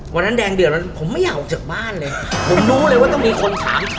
วันนั้นแดงเดือดแล้วผมไม่อยากออกจากบ้านเลยผมรู้เลยว่าต้องมีคนถาม